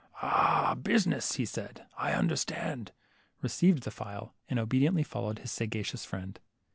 Ah, business !" said he ; I understand ;" received the file, and obediently followed his sagacious friend.